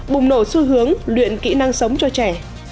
bùng nổ xu hướng luyện kỹ năng sống cho trẻ